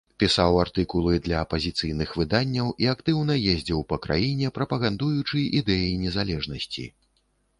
Пісаў артыкулы для апазіцыйных выданняў і актыўна ездзіў па краіне, прапагандуючы ідэі незалежнасці.